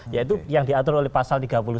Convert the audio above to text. yaitu yang diatur oleh pasal tiga puluh satu